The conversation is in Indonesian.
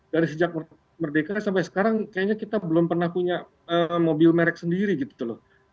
dari sejak merdeka sampai sekarang kayaknya kita belum pernah punya mobil merek sendiri gitu loh